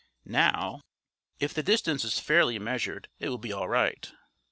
Now, if the distance is fairly measured, it will be alright."